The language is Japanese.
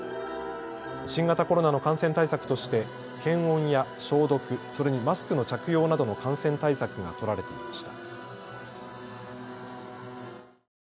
新型コロナの感染対策として検温や消毒、それにマスクの着用などの感染対策が取られていました。